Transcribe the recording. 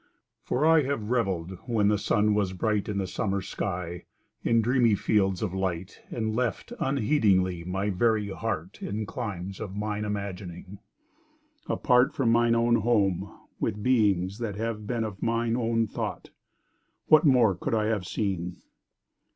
For I have revell'd, when the sun was bright In the summer sky; in dreamy fields of light, And left unheedingly my very heart In climes of mine imagining—apart From mine own home, with beings that have been Of mine own thought—what more could I have seen?